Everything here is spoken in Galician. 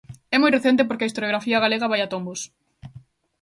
É moi recente porque a historiografía galega vai a tombos.